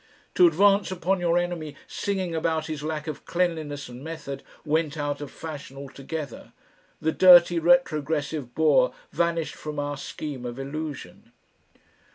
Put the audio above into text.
To advance upon your enemy singing about his lack of cleanliness and method went out of fashion altogether! The dirty retrogressive Boer vanished from our scheme of illusion.